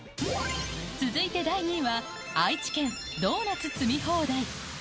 続いて第２位は愛知県、ドーナツ積み放題。